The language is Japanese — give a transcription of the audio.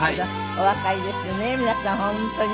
お若いですよね皆さん本当に。